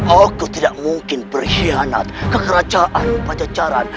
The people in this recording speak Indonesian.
aku tidak mungkin berkhianat ke kerajaan pajajaran